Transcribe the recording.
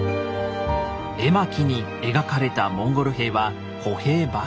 絵巻に描かれたモンゴル兵は歩兵ばかり。